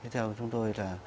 theo chúng tôi là